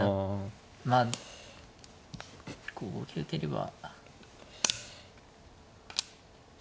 まあ５五桂打てれば。